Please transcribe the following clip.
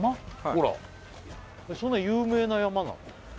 ほらそんな有名な山なの？